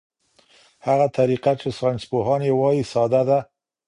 هغه طریقه چې ساینسپوهان یې وايي ساده ده.